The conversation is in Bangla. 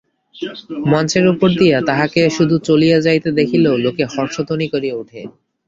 মঞ্চের উপর দিয়া তাঁহাকে শুধু চলিয়া যাইতে দেখিলেও লোকে হর্ষধ্বনি করিয়া উঠে।